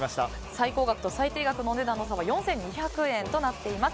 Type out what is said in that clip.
最高額と最低額のお値段の差は４２００円となっています。